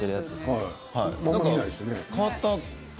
変わった。